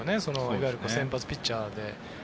いわゆる先発ピッチャーで。